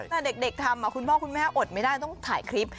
แต่เด็กทำคุณพ่อคุณแม่อดไม่ได้ต้องถ่ายคลิป